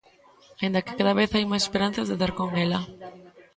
Aínda que cada vez hai máis esperanzas de dar con ela.